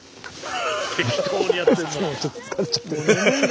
ちょっと疲れちゃって。